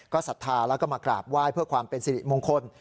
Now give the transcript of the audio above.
ก็ศรัทธาแล้วก็มากราบไหว้เพื่อความเป็นสิริมงคล